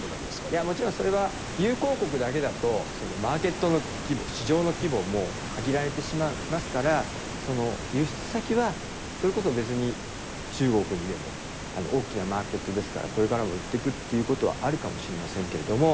いやもちろんそれは友好国だけだとマーケットの規模市場の規模も限られてしまいますからその輸出先はそれこそ別に中国にでも大きなマーケットですからこれからも売ってくっていうことはあるかもしれませんけれども。